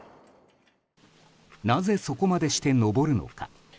なぜ、そこまでして登るのか。